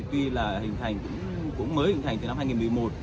tuy là hình thành cũng mới hình thành từ năm hai nghìn một mươi một